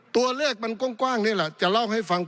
ตัวเลขมันกว้างนี่แหละจะเล่าให้ฟัง